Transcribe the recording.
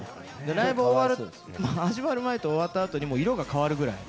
ライブ始まる前と終わった後に色が変わるぐらい。